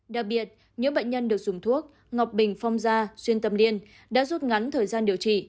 đặc biệt những bệnh nhân được dùng thuốc ngọc bình phong gia xuyên tâm liên đã rút ngắn thời gian điều trị